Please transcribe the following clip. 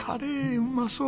うまそう！